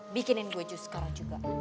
bikinin gue jus sekarang juga